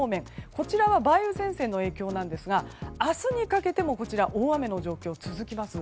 こちらは梅雨前線の影響なんですが明日にかけても大雨の状況が続きます。